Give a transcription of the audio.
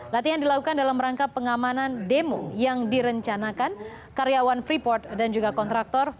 latihan dilakukan dalam rangka pengamanan demo yang direncanakan karyawan freeport dan juga kontraktor